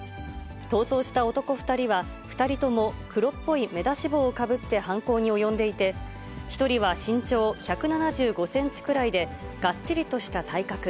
逃走した男２人は、２人とも黒っぽい目出し帽をかぶって、犯行に及んでいて、１人は身長１７５センチくらいで、がっちりとした体格。